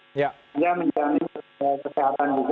sehingga menjamin kesehatan juga